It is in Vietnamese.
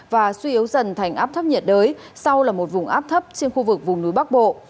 và suy yếu dần thành áp thấp nhiệt đới sau là một vùng áp thấp trên khu vực vùng núi bắc bộ